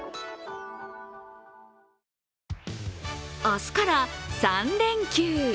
明日から３連休。